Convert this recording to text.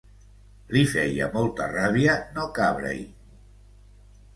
Li feia molta ràbia no cabre-hi.